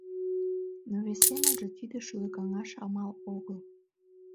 Но вес семынже тиде шӱлыкаҥаш амал огыл.